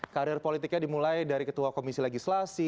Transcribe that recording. karir politiknya dimulai dari ketua komisi legislasi